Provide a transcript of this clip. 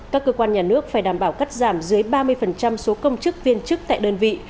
các cơ quan nhà nước phải đảm bảo cắt giảm dưới ba mươi số công chức viên chức tại đơn vị